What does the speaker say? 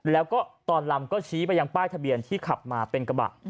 แล้วก็ตอนลำก็ชี้ไปยังป้ายทะเบียนที่ขับมาเป็นกระบะ